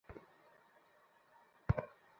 ধর্ষিতদের পুনর্বাসনের জন্য এনজিওর তালিকা।